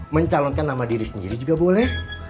mencalonkan nama diri sendiri juga boleh